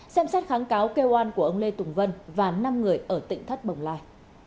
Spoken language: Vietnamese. xem xét kháng cáo kêu oan của ông lê tùng vân và năm người ở tỉnh thất bồng lai